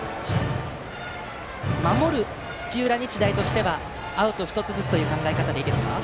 守る土浦日大としてはアウト１つずつという考え方でいいですか？